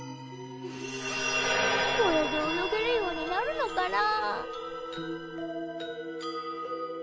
これで泳げるようになるのかな？